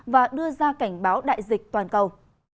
và đưa ra cảnh báo đại dịch toàn cầu